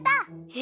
え！